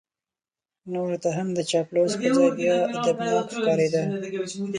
نورو ته هم د چاپلوس په ځای بیا ادبناک ښکارېده.